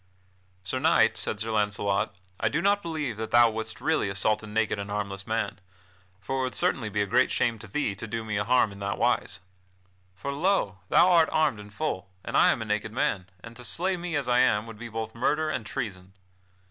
"Sir Knight," said Sir Launcelot, "I do not believe that thou wouldst really assault a naked and harmless man, for it would certainly be a great shame to thee to do me a harm in that wise. For lo! thou art armed in full, and I am a naked man, and to slay me as I am would be both murder and treason."